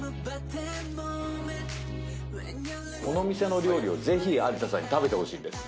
この店の料理をぜひ有田さんに食べてほしいんです。